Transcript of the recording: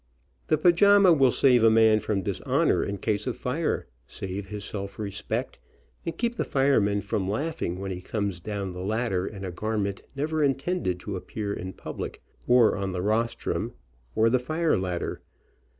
The pajama will save a man from dishonor in case of fire, save his self respect, and keep the firemen from laugh ing when he comes down the ladder in a garment never intended to appear in public, or on the rostrum, or the fire ladder.